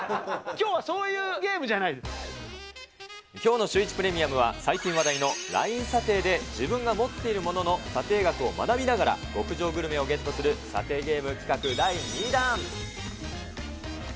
きょうはそういうゲームじゃきょうのシューイチプレミアムは、最近話題のＬＩＮＥ査定で自分が持っているものの査定額を学びながら、極上グルメをゲットする査定ゲーム企画第２弾。